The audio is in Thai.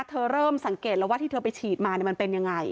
เริ่มสังเกตแล้วว่าที่เธอไปฉีดมามันเป็นยังไง